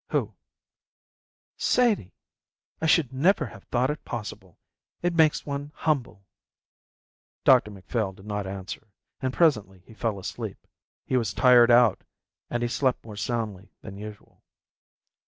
"Who?" "Sadie. I should never have thought it possible. It makes one humble." Dr Macphail did not answer, and presently he fell asleep. He was tired out, and he slept more soundly than usual.